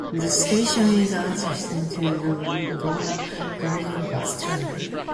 The station is adjacent to the Whampoa Garden Bus Terminus.